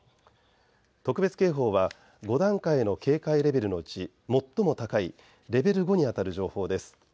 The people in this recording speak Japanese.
特別警報は５段階の警戒レベルのうち最も高いレベル５にあたる情報です。